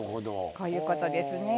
こういうことですね。